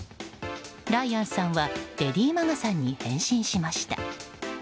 ライアンさんはレディー・マガさんに変身しました。